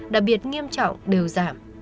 đặc biệt nghiêm trọng đều giảm